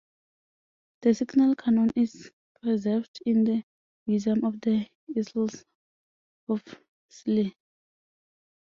The signal cannon is preserved in the Museum of the Isles of Scilly.